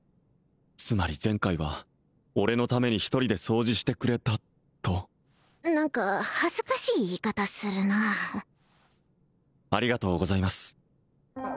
つまり前回は俺のために１人で掃除してくれたと何か恥ずかしい言い方するなありがとうございます